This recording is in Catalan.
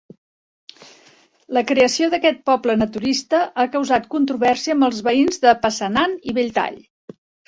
La creació d'aquest poble naturista ha causat controvèrsia amb els veïns de Passanant i Belltall.